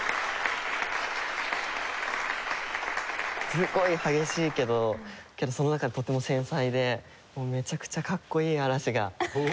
すごい激しいけどけどその中でとても繊細でもうめちゃくちゃかっこいい嵐が。